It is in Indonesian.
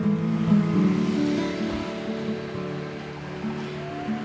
gak usah lo nyesel